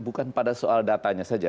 bukan pada soal datanya saja